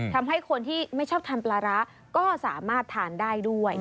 ทำให้คนที่ไม่ชอบทานปลาร้าก็สามารถทานได้ด้วย